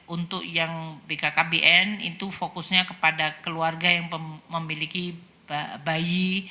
untuk yang bkkbn itu fokusnya kepada keluarga yang memiliki bayi